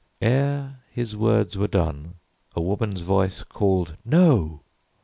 Ere His words were done a woman's voice called "No!"